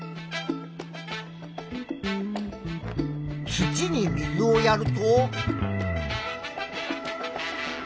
土に水をやると。